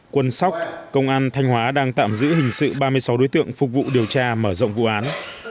quân sóc công an thanh hóa đang tạm giữ hình sự ba mươi sáu đối tượng phục vụ điều tra mở rộng vụ án